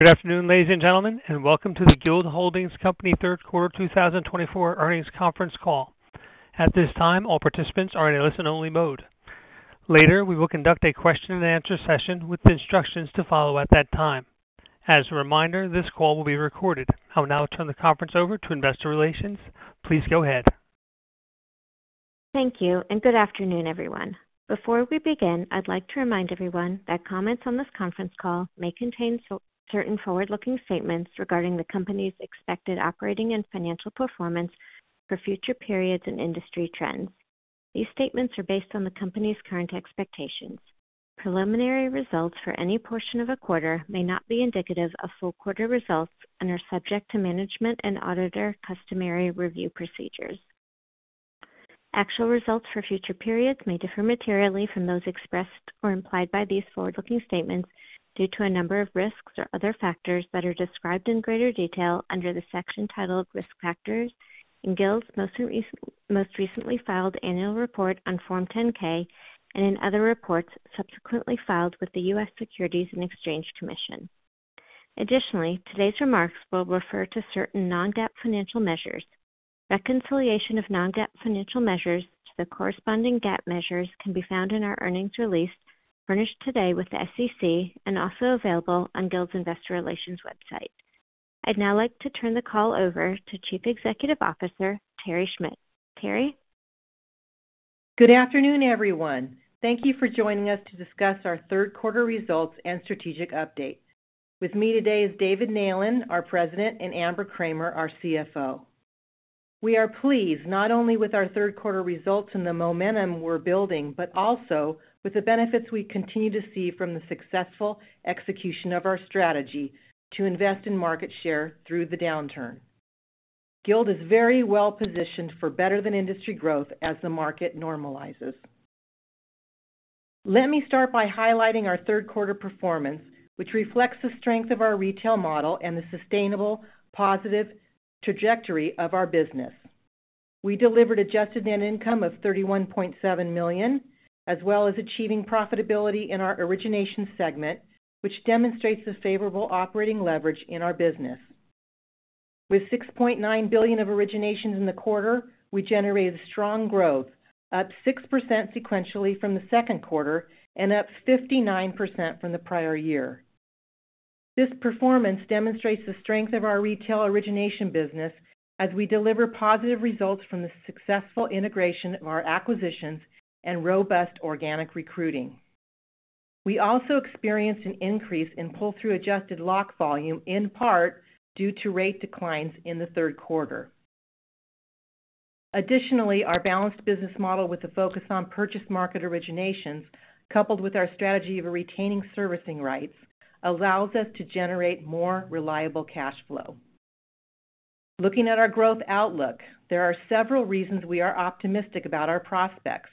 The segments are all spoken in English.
Good afternoon, ladies and gentlemen, and welcome to the Guild Holdings Company Third Quarter 2024 earnings conference call. At this time, all participants are in a listen-only mode. Later, we will conduct a question-and-answer session with instructions to follow at that time. As a reminder, this call will be recorded. I will now turn the conference over to Investor Relations. Please go ahead. Thank you, and good afternoon, everyone. Before we begin, I'd like to remind everyone that comments on this conference call may contain certain forward-looking statements regarding the company's expected operating and financial performance for future periods and industry trends. These statements are based on the company's current expectations. Preliminary results for any portion of a quarter may not be indicative of full quarter results and are subject to management and auditor customary review procedures. Actual results for future periods may differ materially from those expressed or implied by these forward-looking statements due to a number of risks or other factors that are described in greater detail under the section titled Risk Factors in Guild's most recently filed annual report on Form 10-K and in other reports subsequently filed with the U.S. Securities and Exchange Commission. Additionally, today's remarks will refer to certain non-GAAP financial measures. Reconciliation of non-GAAP financial measures to the corresponding GAAP measures can be found in our earnings release furnished today with the SEC and also available on Guild's Investor Relations website. I'd now like to turn the call over to Chief Executive Officer Terry Schmidt. Terry? Good afternoon, everyone. Thank you for joining us to discuss our third quarter results and strategic update. With me today is David Neylan, our President, and Amber Kramer, our CFO. We are pleased not only with our third quarter results and the momentum we're building, but also with the benefits we continue to see from the successful execution of our strategy to invest in market share through the downturn. Guild is very well positioned for better-than-industry growth as the market normalizes. Let me start by highlighting our third quarter performance, which reflects the strength of our retail model and the sustainable, positive trajectory of our business. We delivered adjusted net income of $31.7 million, as well as achieving profitability in our origination segment, which demonstrates the favorable operating leverage in our business. With $6.9 billion of originations in the quarter, we generated strong growth, up 6% sequentially from the second quarter and up 59% from the prior year. This performance demonstrates the strength of our retail origination business as we deliver positive results from the successful integration of our acquisitions and robust organic recruiting. We also experienced an increase in pull-through adjusted lock volume, in part due to rate declines in the third quarter. Additionally, our balanced business model with a focus on purchase market originations, coupled with our strategy of retaining servicing rights, allows us to generate more reliable cash flow. Looking at our growth outlook, there are several reasons we are optimistic about our prospects.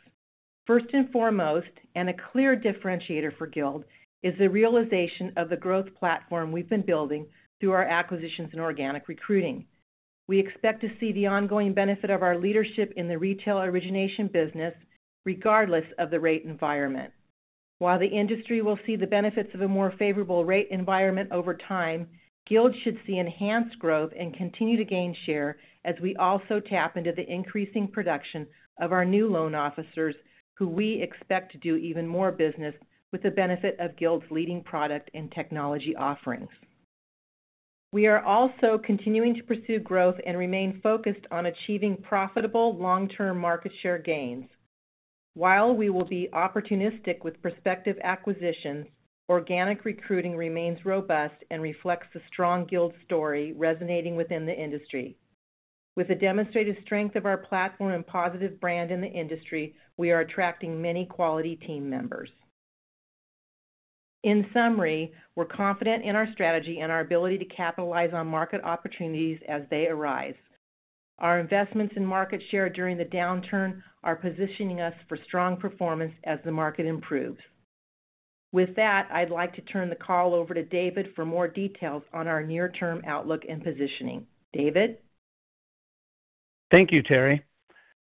First and foremost, and a clear differentiator for Guild, is the realization of the growth platform we've been building through our acquisitions and organic recruiting. We expect to see the ongoing benefit of our leadership in the retail origination business, regardless of the rate environment. While the industry will see the benefits of a more favorable rate environment over time, Guild should see enhanced growth and continue to gain share as we also tap into the increasing production of our new loan officers, who we expect to do even more business with the benefit of Guild's leading product and technology offerings. We are also continuing to pursue growth and remain focused on achieving profitable long-term market share gains. While we will be opportunistic with prospective acquisitions, organic recruiting remains robust and reflects the strong Guild story resonating within the industry. With the demonstrated strength of our platform and positive brand in the industry, we are attracting many quality team members. In summary, we're confident in our strategy and our ability to capitalize on market opportunities as they arise. Our investments in market share during the downturn are positioning us for strong performance as the market improves. With that, I'd like to turn the call over to David for more details on our near-term outlook and positioning. David? Thank you, Terry.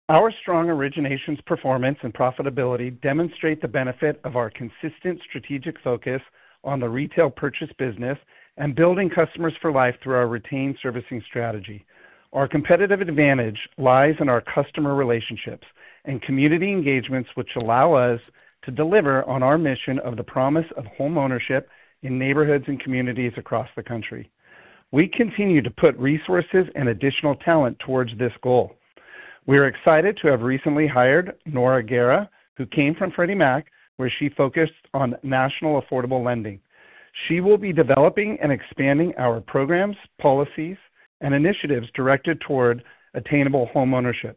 Our strong originations performance and profitability demonstrate the benefit of our consistent strategic focus on the retail purchase business and building customers for life through our retained servicing strategy. Our competitive advantage lies in our customer relationships and community engagements, which allow us to deliver on our mission of the promise of homeownership in neighborhoods and communities across the country. We continue to put resources and additional talent towards this goal. We are excited to have recently hired Nora Guerra, who came from Freddie Mac, where she focused on national affordable lending. She will be developing and expanding our programs, policies, and initiatives directed toward attainable homeownership.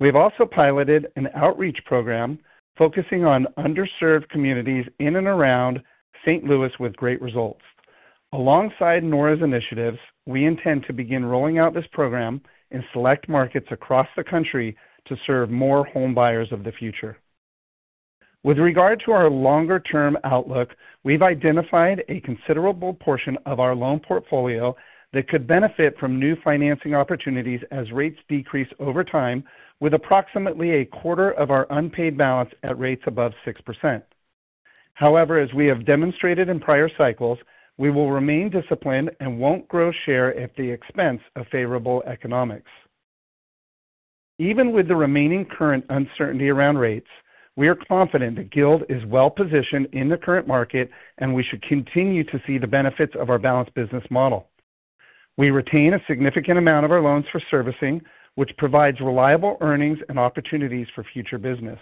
We have also piloted an outreach program focusing on underserved communities in and around St. Louis with great results. Alongside Nora's initiatives, we intend to begin rolling out this program in select markets across the country to serve more home buyers of the future. With regard to our longer-term outlook, we've identified a considerable portion of our loan portfolio that could benefit from new financing opportunities as rates decrease over time, with approximately a quarter of our unpaid balance at rates above 6%. However, as we have demonstrated in prior cycles, we will remain disciplined and won't grow share at the expense of favorable economics. Even with the remaining current uncertainty around rates, we are confident that Guild is well positioned in the current market, and we should continue to see the benefits of our balanced business model. We retain a significant amount of our loans for servicing, which provides reliable earnings and opportunities for future business.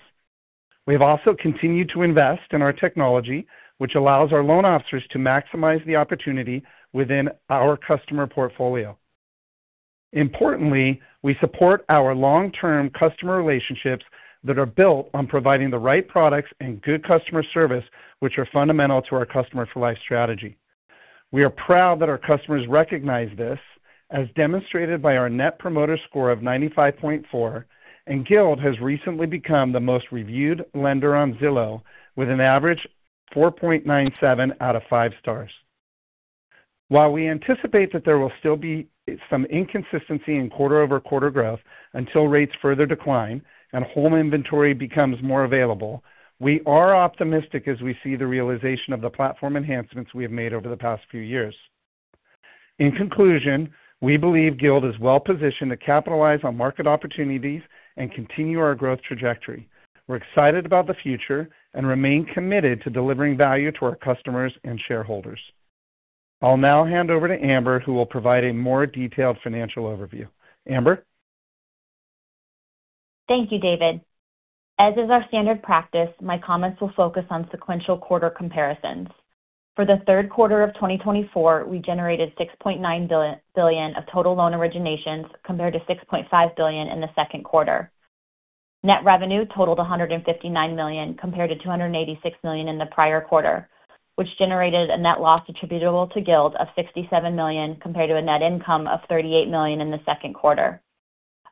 We have also continued to invest in our technology, which allows our loan officers to maximize the opportunity within our customer portfolio. Importantly, we support our long-term customer relationships that are built on providing the right products and good customer service, which are fundamental to our customer-for-life strategy. We are proud that our customers recognize this, as demonstrated by our Net Promoter Score of 95.4, and Guild has recently become the most reviewed lender on Zillow, with an average of 4.97 out of 5 stars. While we anticipate that there will still be some inconsistency in quarter-over-quarter growth until rates further decline and home inventory becomes more available, we are optimistic as we see the realization of the platform enhancements we have made over the past few years. In conclusion, we believe Guild is well positioned to capitalize on market opportunities and continue our growth trajectory. We're excited about the future and remain committed to delivering value to our customers and shareholders. I'll now hand over to Amber, who will provide a more detailed financial overview. Amber? Thank you, David. As is our standard practice, my comments will focus on sequential quarter comparisons. For the third quarter of 2024, we generated $6.9 billion of total loan originations compared to $6.5 billion in the second quarter. Net revenue totaled $159 million, compared to $286 million in the prior quarter, which generated a net loss attributable to Guild of $67 million, compared to a net income of $38 million in the second quarter.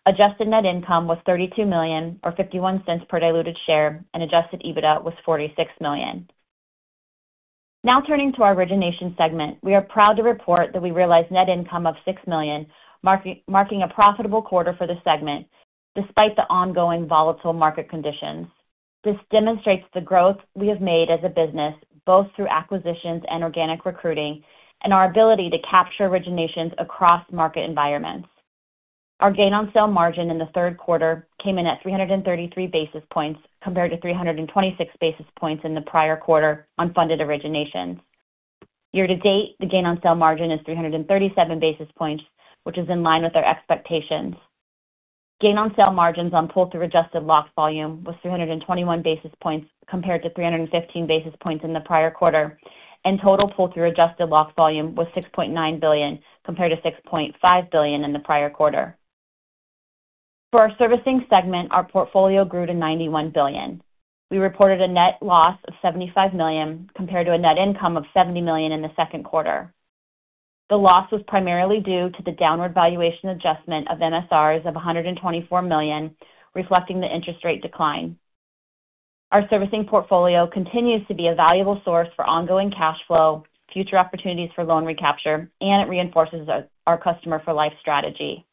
Adjusted net income was $32 million, or $0.51 per diluted share, and Adjusted EBITDA was $46 million. Now turning to our origination segment, we are proud to report that we realized net income of $6 million, marking a profitable quarter for the segment despite the ongoing volatile market conditions. This demonstrates the growth we have made as a business, both through acquisitions and organic recruiting, and our ability to capture originations across market environments. Our gain-on-sale margin in the third quarter came in at 333 basis points, compared to 326 basis points in the prior quarter on funded originations. Year-to-date, the gain-on-sale margin is 337 basis points, which is in line with our expectations. Gain-on-sale margins on pull-through adjusted lock volume was 321 basis points, compared to 315 basis points in the prior quarter, and total pull-through adjusted lock volume was $6.9 billion, compared to $6.5 billion in the prior quarter. For our servicing segment, our portfolio grew to $91 billion. We reported a net loss of $75 million, compared to a net income of $70 million in the second quarter. The loss was primarily due to the downward valuation adjustment of MSRs of $124 million, reflecting the interest rate decline. Our servicing portfolio continues to be a valuable source for ongoing cash flow, future opportunities for loan recapture, and it reinforces our customer-for-life strategy.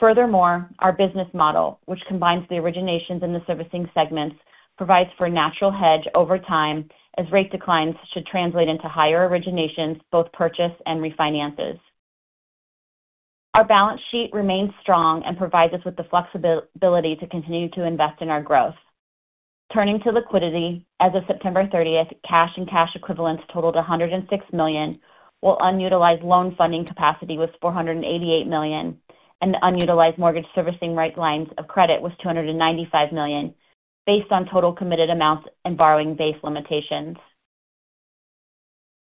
Furthermore, our business model, which combines the originations and the servicing segments, provides for a natural hedge over time as rate declines should translate into higher originations, both purchase and refinances. Our balance sheet remains strong and provides us with the flexibility to continue to invest in our growth. Turning to liquidity, as of September 30, cash and cash equivalents totaled $106 million. We have unutilized loan funding capacity with $488 million, and unutilized mortgage servicing rights lines of credit with $295 million, based on total committed amounts and borrowing base limitations.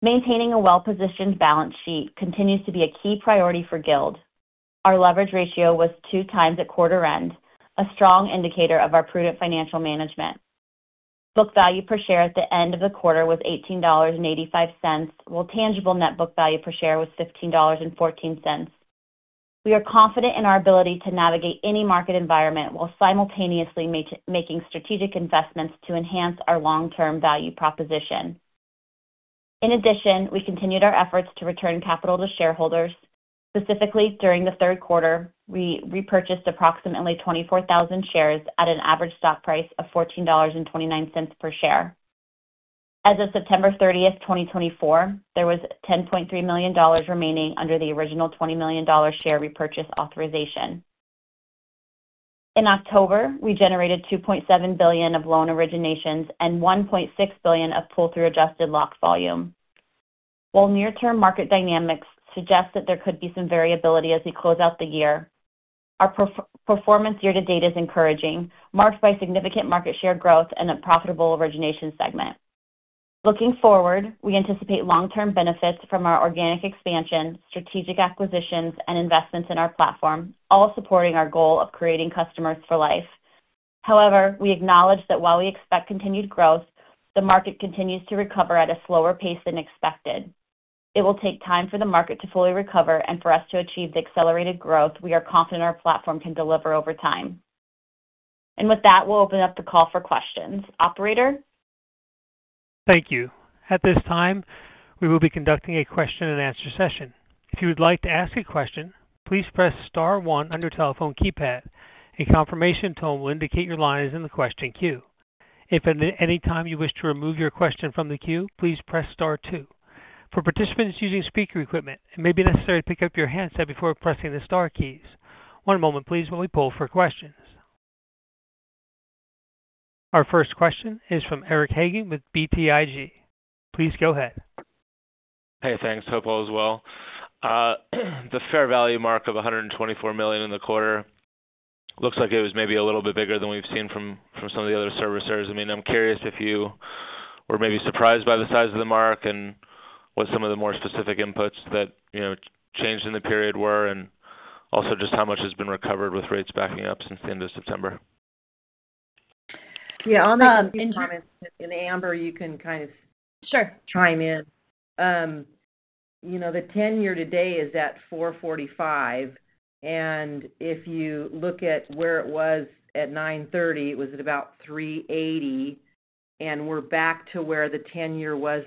Maintaining a well-positioned balance sheet continues to be a key priority for Guild. Our leverage ratio was two times at quarter end, a strong indicator of our prudent financial management. Book value per share at the end of the quarter was $18.85, while tangible net book value per share was $15.14. We are confident in our ability to navigate any market environment while simultaneously making strategic investments to enhance our long-term value proposition. In addition, we continued our efforts to return capital to shareholders. Specifically, during the third quarter, we repurchased approximately 24,000 shares at an average stock price of $14.29 per share. As of September 30th, 2024, there was $10.3 million remaining under the original $20 million share repurchase authorization. In October, we generated $2.7 billion of loan originations and $1.6 billion of pull-through adjusted lock volume. While near-term market dynamics suggest that there could be some variability as we close out the year, our performance year-to-date is encouraging, marked by significant market share growth and a profitable origination segment. Looking forward, we anticipate long-term benefits from our organic expansion, strategic acquisitions, and investments in our platform, all supporting our goal of creating customers for life. However, we acknowledge that while we expect continued growth, the market continues to recover at a slower pace than expected. It will take time for the market to fully recover and for us to achieve the accelerated growth we are confident our platform can deliver over time. And with that, we'll open up the call for questions. Operator? Thank you. At this time, we will be conducting a question-and-answer session. If you would like to ask a question, please press star one on your telephone keypad. A confirmation tone will indicate your line is in the question queue. If at any time you wish to remove your question from the queue, please press star two. For participants using speaker equipment, it may be necessary to pick up your handset before pressing the star keys. One moment, please, while we pull for questions. Our first question is from Eric Hagen with BTIG. Please go ahead. Hey, thanks. Hope all is well. The fair value mark of $124 million in the quarter looks like it was maybe a little bit bigger than we've seen from some of the other servicers. I mean, I'm curious if you were maybe surprised by the size of the mark and what some of the more specific inputs that changed in the period were, and also just how much has been recovered with rates backing up since the end of September. Yeah, on that. And Amber, you can kind of. Sure. Chime in. The 10-year today is at 445, and if you look at where it was at 9.30, it was at about 380, and we're back to where the 10-year was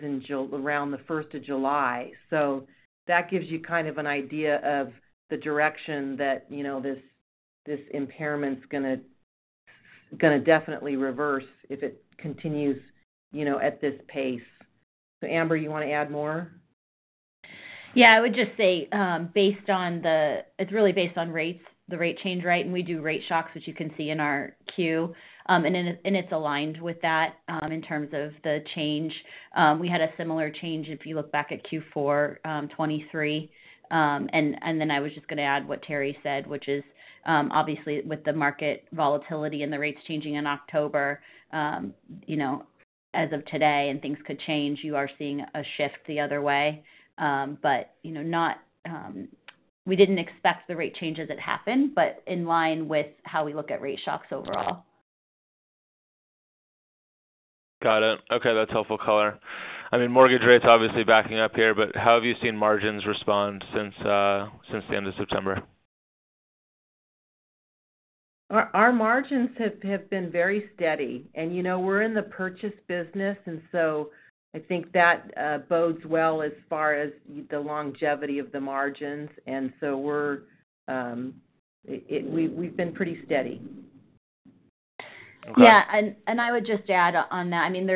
around the 1st of July. So that gives you kind of an idea of the direction that this impairment's going to definitely reverse if it continues at this pace. So Amber, you want to add more? Yeah, I would just say, based on the, it's really based on rates, the rate change rate, and we do rate shocks, which you can see in our Q, and it's aligned with that in terms of the change. We had a similar change if you look back at Q4 2023. And then I was just going to add what Terry Schmidt said, which is, obviously, with the market volatility and the rates changing in October as of today and things could change, you are seeing a shift the other way. But we didn't expect the rate change as it happened, but in line with how we look at rate shocks overall. Got it. Okay, that's helpful color. I mean, mortgage rates obviously backing up here, but how have you seen margins respond since the end of September? Our margins have been very steady, and we're in the purchase business, and so I think that bodes well as far as the longevity of the margins, and so we've been pretty steady. Yeah, and I would just add on that. I mean,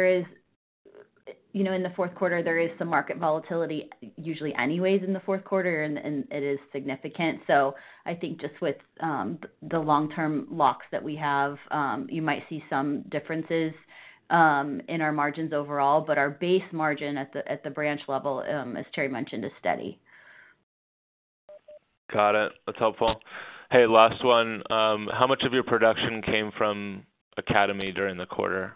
in the fourth quarter, there is some market volatility usually anyways in the fourth quarter, and it is significant. So I think just with the long-term locks that we have, you might see some differences in our margins overall, but our base margin at the branch level, as Terry mentioned, is steady. Got it. That's helpful. Hey, last one. How much of your production came from Academy during the quarter?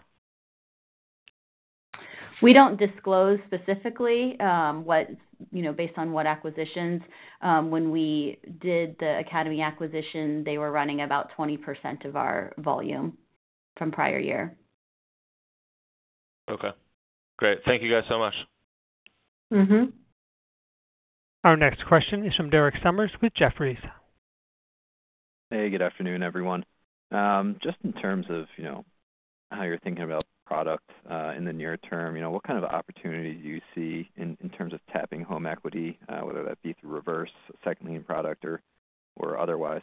We don't disclose specifically based on what acquisitions. When we did the Academy acquisition, they were running about 20% of our volume from prior year. Okay. Great. Thank you guys so much. Mm-hmm. Our next question is from Derek Sommers with Jefferies. Hey, good afternoon, everyone. Just in terms of how you're thinking about product in the near term, what kind of opportunity do you see in terms of tapping home equity, whether that be through reverse, second-lien product, or otherwise?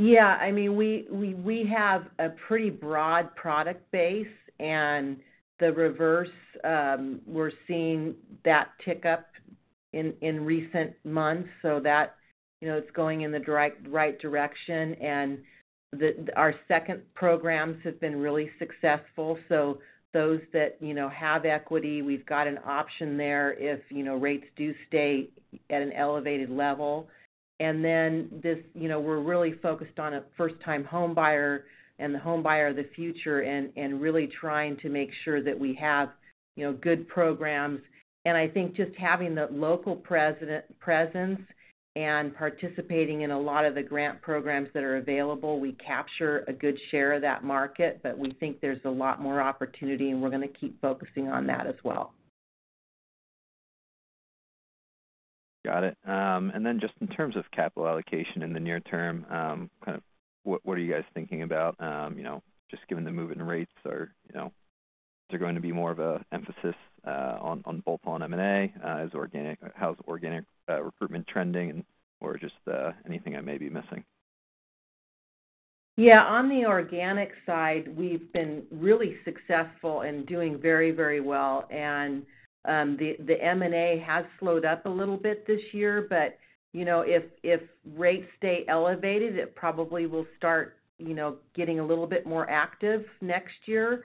Yeah, I mean, we have a pretty broad product base, and the reverse, we're seeing that tick up in recent months, so that's going in the right direction, and our second programs have been really successful. So those that have equity, we've got an option there if rates do stay at an elevated level, and then we're really focused on a first-time home buyer and the home buyer of the future and really trying to make sure that we have good programs, and I think just having the local presence and participating in a lot of the grant programs that are available, we capture a good share of that market, but we think there's a lot more opportunity, and we're going to keep focusing on that as well. Got it. And then just in terms of capital allocation in the near term, kind of what are you guys thinking about? Just given the moving rates, are there going to be more of an emphasis on bolt-on M&A? How's organic recruitment trending, or just anything I may be missing? Yeah, on the organic side, we've been really successful in doing very, very well. And the M&A has slowed up a little bit this year, but if rates stay elevated, it probably will start getting a little bit more active next year.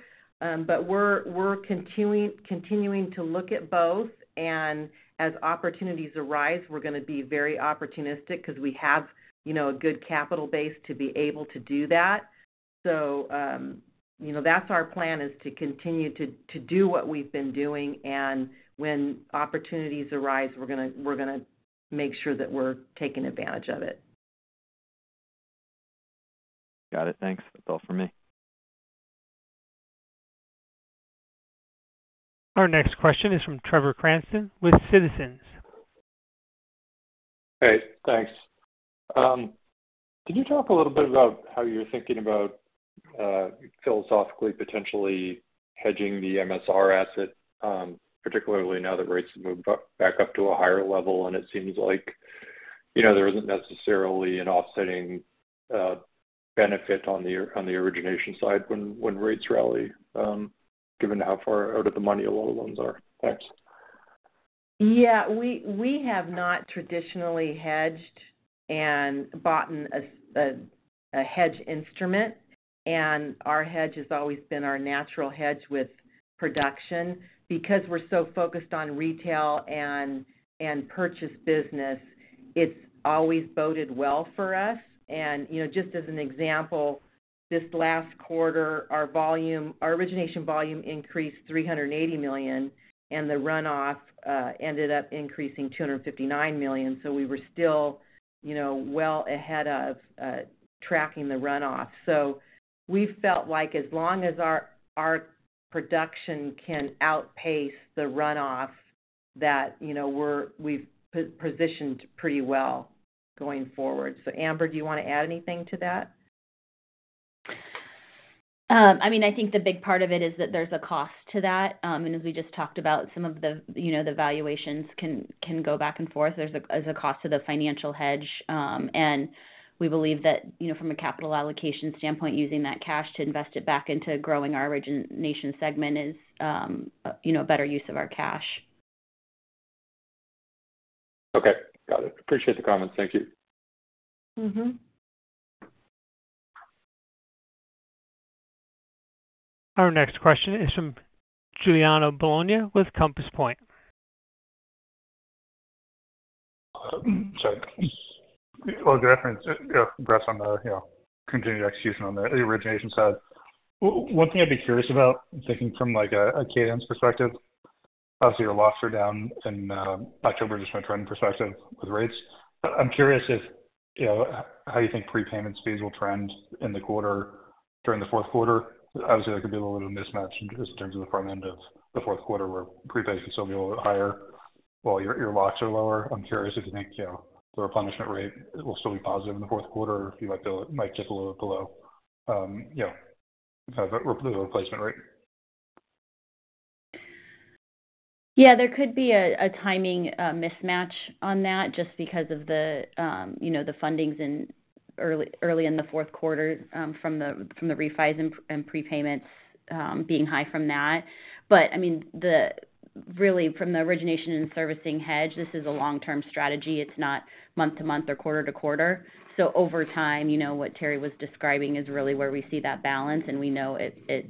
But we're continuing to look at both, and as opportunities arise, we're going to be very opportunistic because we have a good capital base to be able to do that. So that's our plan, is to continue to do what we've been doing, and when opportunities arise, we're going to make sure that we're taking advantage of it. Got it. Thanks. That's all for me. Our next question is from Trevor Cranston with Citizens. Hey, thanks. Can you talk a little bit about how you're thinking about philosophically potentially hedging the MSR asset, particularly now that rates have moved back up to a higher level, and it seems like there isn't necessarily an offsetting benefit on the origination side when rates rally, given how far out of the money a lot of loans are? Thanks. Yeah, we have not traditionally hedged and bought a hedge instrument, and our hedge has always been our natural hedge with production. Because we're so focused on retail and purchase business, it's always boded well for us. And just as an example, this last quarter, our origination volume increased $380 million, and the runoff ended up increasing $259 million. So we were still well ahead of tracking the runoff. So we've felt like as long as our production can outpace the runoff, that we've positioned pretty well going forward. So Amber, do you want to add anything to that? I mean, I think the big part of it is that there's a cost to that, and as we just talked about, some of the valuations can go back and forth. There's a cost to the financial hedge, and we believe that from a capital allocation standpoint, using that cash to invest it back into growing our origination segment is a better use of our cash. Okay. Got it. Appreciate the comments. Thank you. Mm-hmm. Our next question is from Giuliano Bologna with Compass Point. Sorry. Well, as a reference, congrats on the continued execution on the origination side. One thing I'd be curious about, thinking from a cadence perspective, obviously your locks are down in October just from a trend perspective with rates. I'm curious how you think prepayment speeds will trend in the quarter during the fourth quarter. Obviously, there could be a little bit of mismatch in terms of the front end of the fourth quarter where prepayments will still be a little bit higher while your locks are lower. I'm curious if you think the replenishment rate will still be positive in the fourth quarter or if you might get a little bit below the replacement rate. Yeah, there could be a timing mismatch on that just because of the fundings early in the fourth quarter from the refis and prepayments being high from that. But I mean, really, from the origination and servicing hedge, this is a long-term strategy. It's not month-to-month or quarter-to-quarter. So over time, what Terry was describing is really where we see that balance, and we know it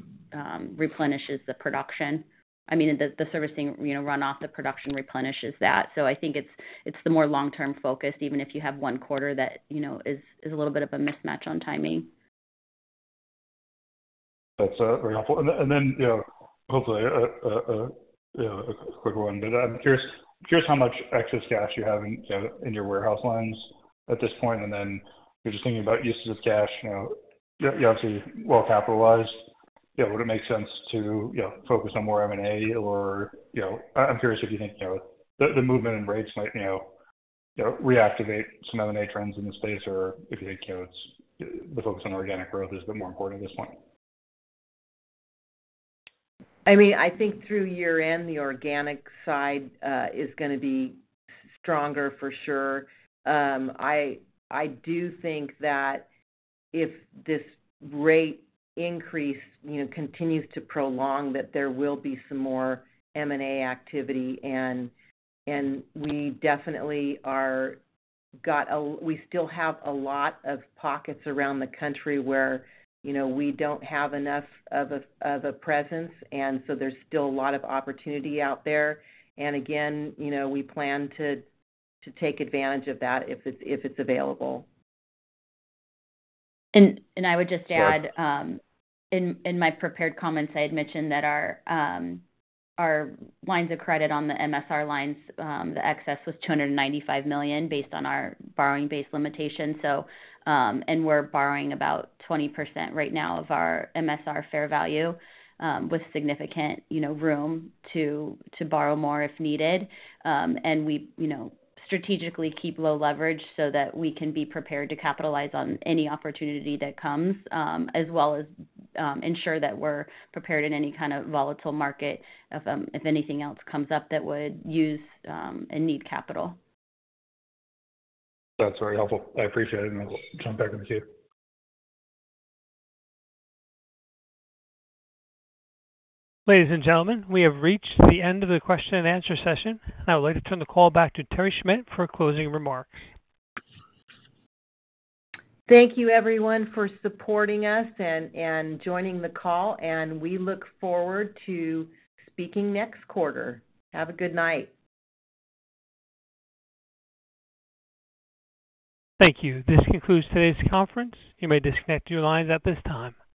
replenishes the production. I mean, the servicing runoff, the production replenishes that. So I think it's the more long-term focus, even if you have one quarter that is a little bit of a mismatch on timing. That's very helpful. And then hopefully a quick one, but I'm curious how much excess cash you have in your warehouse lines at this point. And then you're just thinking about uses of cash. You obviously well-capitalized. Would it make sense to focus on more M&A? Or I'm curious if you think the movement in rates might reactivate some M&A trends in the space, or if you think the focus on organic growth is a bit more important at this point? I mean, I think through year-end, the organic side is going to be stronger for sure. I do think that if this rate increase continues to prolong, that there will be some more M&A activity. And we definitely still have a lot of pockets around the country where we don't have enough of a presence, and so there's still a lot of opportunity out there. And again, we plan to take advantage of that if it's available. And I would just add, in my prepared comments, I had mentioned that our lines of credit on the MSR lines, the excess was $295 million based on our borrowing base limitation. And we're borrowing about 20% right now of our MSR fair value with significant room to borrow more if needed. And we strategically keep low leverage so that we can be prepared to capitalize on any opportunity that comes, as well as ensure that we're prepared in any kind of volatile market if anything else comes up that would use and need capital. That's very helpful. I appreciate it, and I will jump back into the queue. Ladies and gentlemen, we have reached the end of the question and answer session. I would like to turn the call back to Terry Schmidt for closing remarks. Thank you, everyone, for supporting us and joining the call, and we look forward to speaking next quarter. Have a good night. Thank you. This concludes today's conference. You may disconnect your lines at this time.